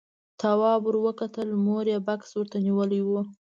تواب ور وکتل، مور يې بکس ورته نيولی و.